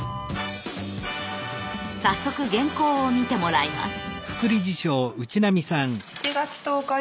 早速原稿を見てもらいます。